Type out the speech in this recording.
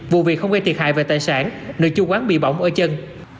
vụ việc không gây thiệt hại về tài sản nơi chủ quán bị bỏng ở chân